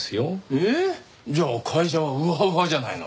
えっ？じゃあ会社はウハウハじゃないの。